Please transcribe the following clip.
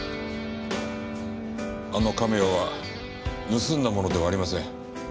あのカメオは盗んだものではありません。